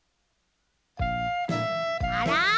あら？